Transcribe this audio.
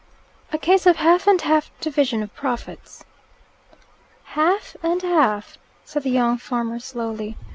"A case of half and half division of profits." "Half and half?" said the young farmer slowly.